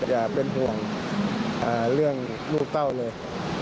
อย่าเป็นห่วงเรื่องลูกเป้าเลย